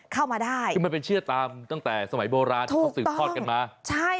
เข้ามาได้คือมันเป็นเชื่อตามตั้งแต่สมัยโบราณที่เขาสืบทอดกันมาใช่